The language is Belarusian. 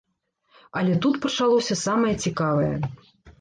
Але тут пачалося самае цікавае.